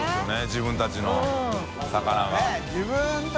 自分たちの魚が。